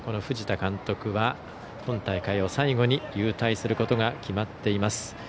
藤田監督は今大会を最後に勇退することが決まっています。